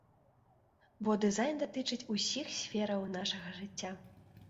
Бо дызайн датычыць усіх сфераў нашага жыцця.